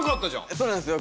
そうなんですよ。